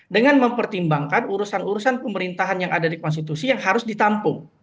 dengan mempertimbangkan urusan urusan pemerintahan yang ada di konstitusi yang harus ditampung